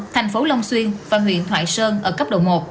thành phố long xuyên và huyện thoại sơn ở cấp độ một